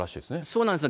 そうなんです。